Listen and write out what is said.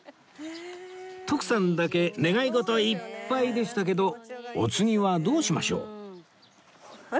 徳さんだけ願い事いっぱいでしたけどお次はどうしましょう？